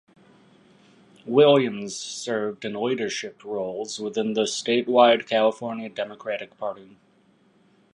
Williams served in leadership roles within the statewide California Democratic Party.